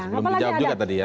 belum dijawab juga tadi ya